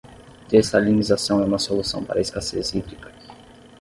Dessalinização é uma solução para a escassez hídrica